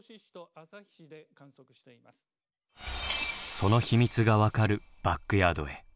その秘密が分かるバックヤードへ。